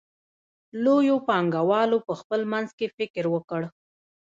لویو پانګوالو په خپل منځ کې فکر وکړ